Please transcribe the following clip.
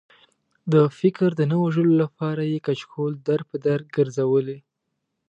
د فکر د نه وژلو لپاره یې کچکول در په در ګرځولی.